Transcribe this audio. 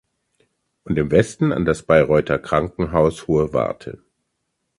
Und im Westen an das Bayreuther Krankenhaus Hohe Warte.